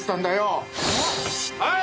はい！